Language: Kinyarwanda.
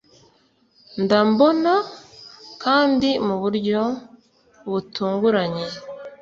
ndambona, kandi mu buryo butunguranye